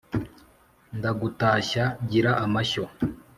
Ndagutashya gira amashyo